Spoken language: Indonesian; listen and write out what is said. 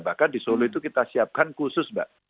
bahkan di solo itu kita siapkan khusus mbak